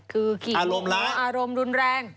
คืออารมณ์ร้ายอารมณ์รุนแรง